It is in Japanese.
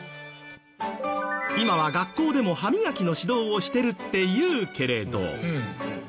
今は学校でも歯磨きの指導をしてるっていうけれど。